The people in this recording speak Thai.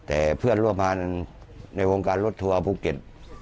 แต่เพื่อนร่วมงานในวงการรถทัวร์ภูเก็ต